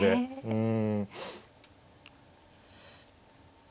うん。